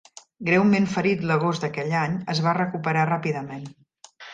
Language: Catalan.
Greument ferit l'agost d'aquell any, es va recuperar ràpidament.